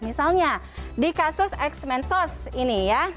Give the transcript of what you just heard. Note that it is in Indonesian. misalnya di kasus x men sos ini ya